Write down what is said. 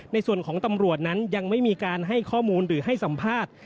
ในส่วนของตำรวจนั้นยังไม่มีการให้ข้อมูลหรือให้สัมภาษณ์